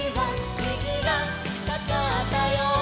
「にじがかかったよ」